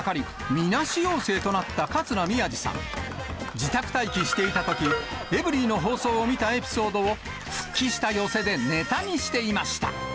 自宅待機していたとき、エブリィの放送を見たエピソードを、復帰した寄席でネタにしていました。